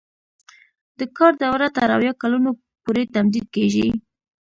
د کار دوره تر اویا کلونو پورې تمدید کیږي.